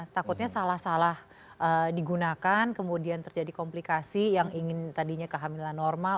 takutnya salah salah digunakan kemudian terjadi komplikasi yang ingin tadinya kehamilan normal